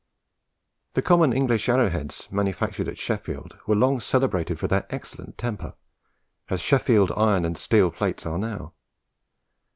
The common English arrowheads manufactured at Sheffield were long celebrated for their excellent temper, as Sheffield iron and steel plates are now.